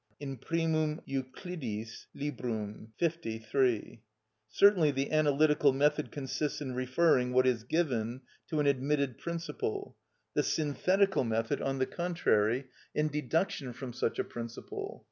_) "In Primum Euclidis Librum," L. iii. Certainly the analytical method consists in referring what is given to an admitted principle; the synthetical method, on the contrary, in deduction from such a principle.